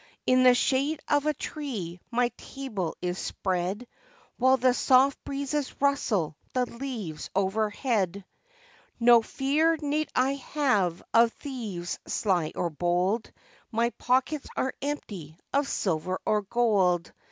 In the shade of a tree my table is spread, While the soft breezes rustle the leaves overhead, No fear need I have of thieves sly or bold, My pockets are empty of silver or gold.